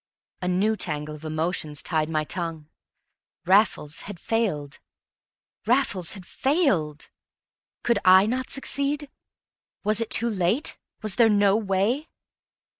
A new tangle of emotions tied my tongue. Raffles had failed Raffles had failed! Could I not succeed? Was it too late? Was there no way?